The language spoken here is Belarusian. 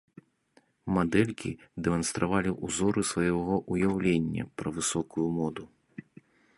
Мадэлькі дэманстравалі ўзоры свайго ўяўлення пра высокую моду.